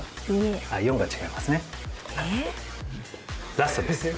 ラストです。